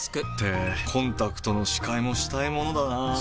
ってコンタクトの視界もしたいものだなぁ。